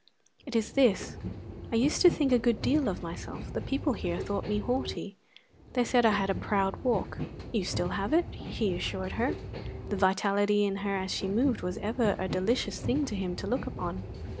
"It is this: I used to think a good deal of myself; the people here thought me haughty; they said I had a proud walk." "You have it still," he assured her; the vitality in her as she moved was ever a delicious thing to him to look upon.